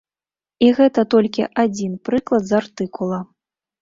І гэта толькі адзін прыклад з артыкула.